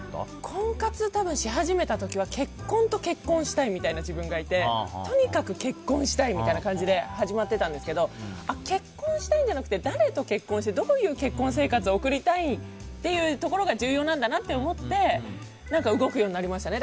婚活をし始めた時は結婚と結婚したいみたいな自分がいてとにかく結婚したいみたいな感じで始まってたんですけど結婚したいんじゃなくて誰と結婚してどういう結婚生活を送りたいっていうところが重要なんだなと思って動くようになりましたね。